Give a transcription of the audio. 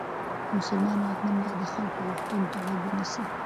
مسلمان واکمن باید د خلکو غوښتنو ته غوږ ونیسي.